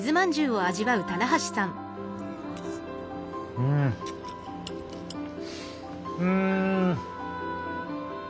うんうん！